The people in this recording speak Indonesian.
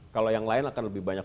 kalau yang lain akan lebih banyak